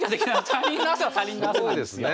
他人の汗は他人の汗なんですよ。